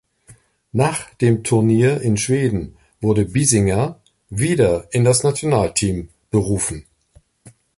Nach dem Turnier in Schweden wurde Biesinger wieder in das Nationalteam berufen.